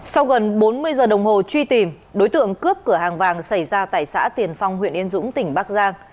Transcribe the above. sau gần bốn mươi giờ đồng hồ truy tìm đối tượng cướp cửa hàng vàng xảy ra tại xã tiền phong huyện yên dũng tỉnh bắc giang